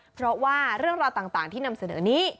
เพราะว่าเรื่องราวต่างที่นำเสนอนี้